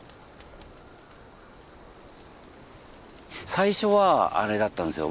最初はあれだったんですよ。